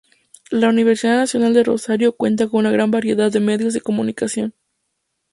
La Universidad Nacional de Rosario cuenta con una gran variedad de medios de comunicación.